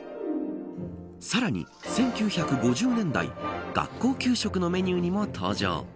さらに１９５０年代学校給食のメニューにも登場。